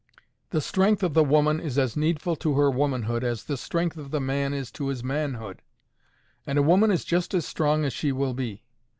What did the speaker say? The strength of the woman is as needful to her womanhood as the strength of the man is to his manhood; and a woman is just as strong as she will be.